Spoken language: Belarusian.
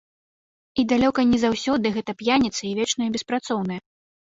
І далёка не заўсёды гэта п'яніцы і вечныя беспрацоўныя.